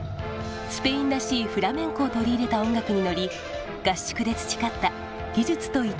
スペインらしいフラメンコを取り入れた音楽に乗り合宿で培った技術と一体感を存分に発揮します。